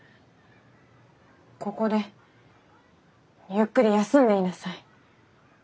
ここでゆっくり休んでいなさい。